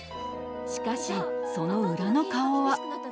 しかしその裏の顔は。